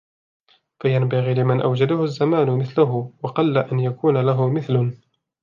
فَيَنْبَغِي لِمَنْ أَوْجَدَهُ الزَّمَانُ مِثْلَهُ وَقَلَّ أَنْ يَكُونَ لَهُ مِثْلٌ